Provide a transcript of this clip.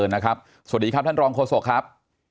สวัสดีครับท่านรองโฆษกครับ